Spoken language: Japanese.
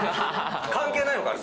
関係ないのかな？